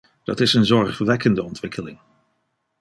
Dat is een zorgwekkende ontwikkeling.